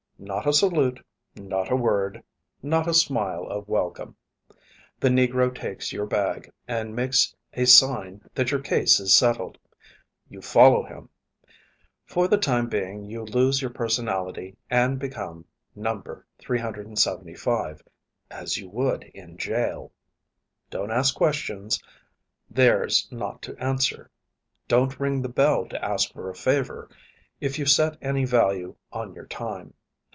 Not a salute, not a word, not a smile of welcome. The negro takes your bag and makes a sign that your case is settled. You follow him. For the time being you lose your personality and become No. 375, as you would in jail. Don't ask questions; theirs not to answer; don't ring the bell to ask for a favor, if you set any value on your time.